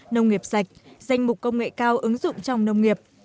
nông nghiệp sạch danh mục công nghệ cao ứng dụng trong nông nghiệp